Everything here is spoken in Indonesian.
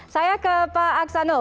saya ke pak aksanul